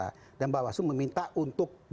dan bawaslu kan sudah jelas sudah menyidangkan ini kan